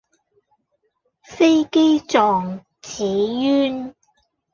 飛機撞紙鳶